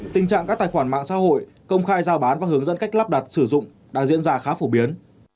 tình trạng các tài khoản mạng xã hội công khai giao bán và hướng dẫn cách lắp đặt sử dụng đang diễn ra khá phổ biến